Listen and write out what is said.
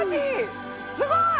すごい！